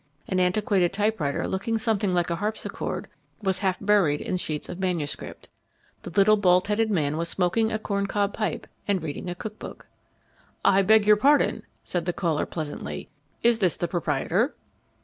An antiquated typewriter, looking something like a harpsichord, was half buried in sheets of manuscript. The little bald headed man was smoking a corn cob pipe and reading a cook book. "I beg your pardon," said the caller, pleasantly; "is this the proprietor?"